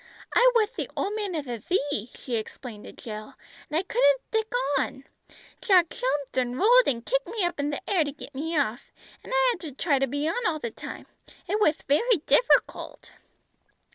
"I wath the old man of the thea," she explained to Jill, "and I couldn't thtick on. Jack jumped and rolled and kicked me up in the air to get me off, and I had to try to be on all the time. It wath very differcult!"